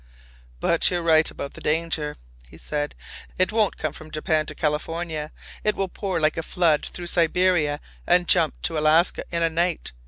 "But you're right about the danger," he said. "It won't come from Japan to California. It will pour like a flood through Siberia and jump to Alaska in a night.